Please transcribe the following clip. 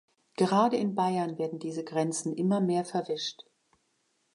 Gerade in Bayern werden diese Grenzen immer mehr verwischt.